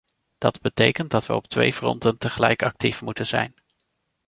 Dat betekent dat we op twee fronten tegelijk actief moeten zijn.